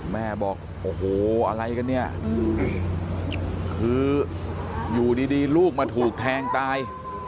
แม่บอกโอ้โหอะไรกันเนี่ยคืออยู่ดีลูกมาถูกแทงตาย